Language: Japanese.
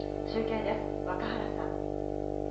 中継です、若原さん。